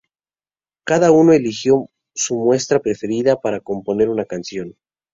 Cada uno eligió su muestra preferida para componer una canción.